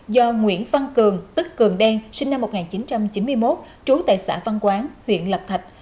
do nguyễn văn cường tức cường đen sinh năm một nghìn chín trăm chín mươi một trú tại xã văn quán huyện lập thạch